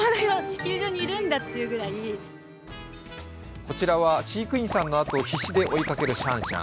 こちらは飼育員さんのあとを必死で追いかけるシャンシャン。